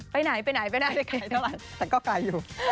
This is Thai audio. ไปไหนไปไกลเท่าไหร่แต่ก็ไกลอยู่